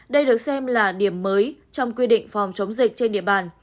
đây được xem là điểm mới trong quy định phòng chống dịch trên địa bàn